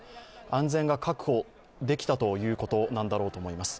安全が確保できたということなんだろうと思います。